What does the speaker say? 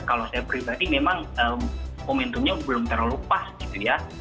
kalau saya pribadi memang momentumnya belum terlalu pas gitu ya